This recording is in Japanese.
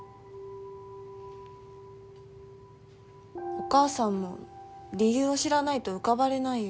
お母さんも理由を知らないと浮かばれないよ。